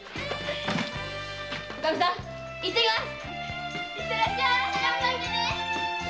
おカミさん行ってきます。